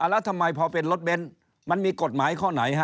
แล้วทำไมพอเป็นรถเบนท์มันมีกฎหมายข้อไหนฮะ